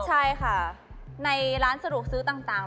ใช่ค่ะในร้านสะดวกซื้อต่าง